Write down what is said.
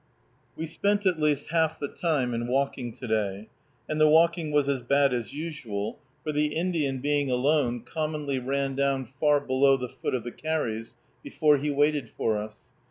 We spent at least half the time in walking to day, and the walking was as bad as usual, for the Indian, being alone, commonly ran down far below the foot of the carries before he waited for us.